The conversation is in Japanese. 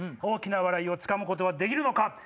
大きな笑いをつかむことはできるのか？